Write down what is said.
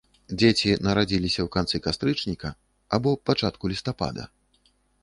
Дзеці нарадзіліся ў канцы кастрычніка або пачатку лістапада.